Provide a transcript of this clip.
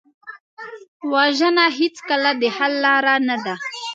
وژنه هېڅکله د حل لاره نه ده